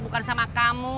bukan sama kamu